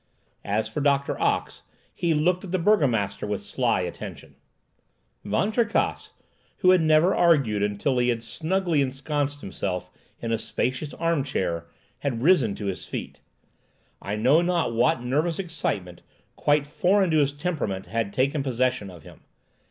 As for Doctor Ox, he looked at the burgomaster with sly attention. Van Tricasse, who never argued until he had snugly ensconced himself in a spacious armchair, had risen to his feet. I know not what nervous excitement, quite foreign to his temperament, had taken possession of him.